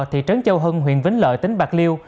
thị trấn châu hưng huyền vĩnh lợi tính bạc liêu